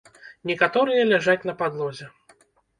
Некаторыя ляжаць на падлозе.